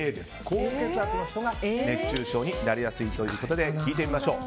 高血圧の人が熱中症になりやすいということで聞いてみましょう。